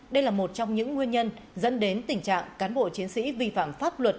đây là một trong những nguyên nhân dẫn đến tình trạng cán bộ chiến sĩ vi phạm pháp luật